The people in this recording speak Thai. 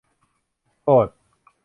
โทษ